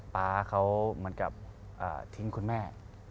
ป๊าเขาเหมือนกับทิ้งคุณแม่